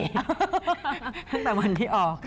ตั้งแต่วันที่ออก